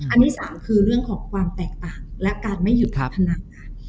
อันที่๓คือเรื่องของความแตกต่างและการไม่หยุดพัฒนาการ